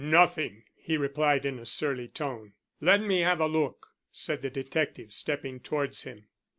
"Nothing," he replied in a surly tone. "Let me have a look," said the detective, stepping towards him.